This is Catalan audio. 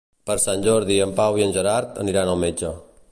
Per Sant Jordi en Pau i en Gerard aniran al metge.